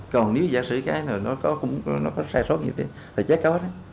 còn nếu giả sử cái nào nó cũng nó có sai sót như thế là chắc có đấy